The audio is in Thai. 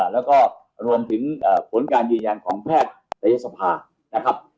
แล้วก็รวมถึงผลการยืนยันของแพทยศภานะครับ